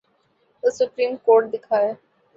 تو supreme court دکھائے۔